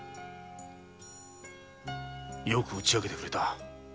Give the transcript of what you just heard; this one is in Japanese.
よく打ち明けてくれた。